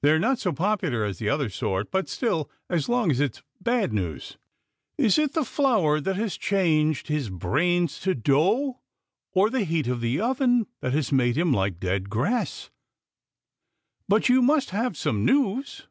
They're not so popular as the other sort, but still, as long as it's bad news "" Is it the flour that has changed his brains to dough, or the heat of the oven that has made them like dead grass ?"" But you must have some news